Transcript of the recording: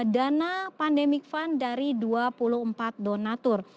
dana pandemic fund dari dua puluh empat donatur